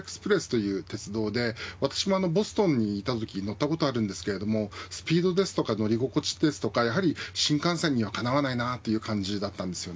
アセラエクスプレスというもので私もボストンにいたとき乗ったことがありますがスピードや乗り心地とか新幹線にはかなわないという感じだったんです。